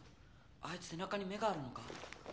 あいつ背中に目があるのか？